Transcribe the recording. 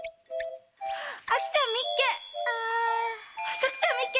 さくちゃんみっけ！